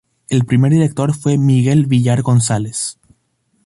El primer director fue Miguel Villar González.